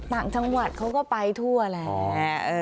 ต่างจังหวัดเขาก็ไปทั่วแหละ